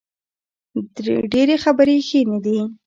ډیرې خبرې ښې نه دي